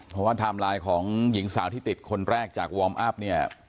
เพราะว่าไทม์ไลน์ของหญิงสาวที่ติดคนแรกจากวอร์มอัพเนี่ย